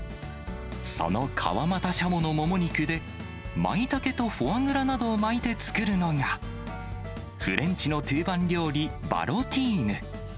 その川俣シャモのもも肉で、マイタケとフォアグラなどを巻いて作るのが、フレンチの定番料理、バロティーヌ。